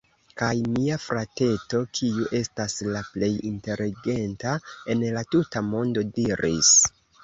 Kaj mia frateto, kiu estas la plej inteligenta en la tuta mondo, diris: